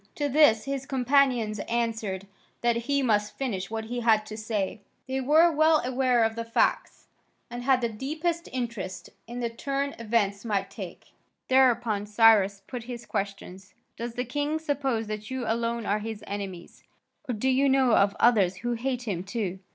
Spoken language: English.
To this his companions answered that he must finish what he had to say; they were well aware of the facts, and had the deepest interest in the turn events might take. Thereupon Cyrus put his questions: "Does the king suppose that you alone are his enemies, or do you know of others who hate him too?"